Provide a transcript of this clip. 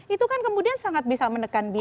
itu kan kemudian sangat bisa menekan biaya